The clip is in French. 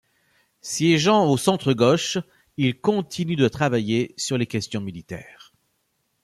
Siégeant au centre gauche, il continue de travailler sur les questions militaires.